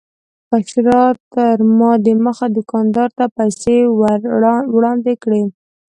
بشرا تر ما دمخه دوکاندار ته پیسې ور وړاندې کړې.